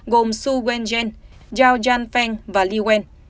gồm su wenjen zhao jianfeng và li wen